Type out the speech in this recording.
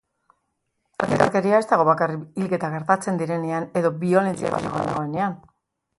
Indarkeria ez dago bakarrik hilketak gertatzen direnean edo biolentzia fisikoa dagoenean.